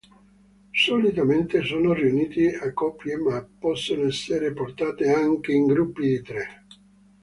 Solitamente sono riunite a coppie ma possono essere portate anche in gruppi di tre.